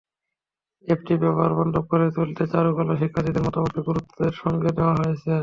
অ্যাপটি ব্যবহার-বান্ধব করে তুলতে চারুকলার শিক্ষার্থীদের মতামতকে গুরুত্বের সঙ্গে নেওয়া হয়েছে।